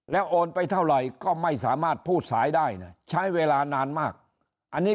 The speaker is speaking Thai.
โอนไปเท่าไหร่ก็ไม่สามารถพูดสายได้นะใช้เวลานานมากอันนี้